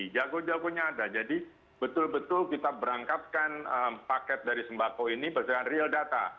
jago jagonya ada jadi betul betul kita berangkatkan paket dari sembako ini berdasarkan real data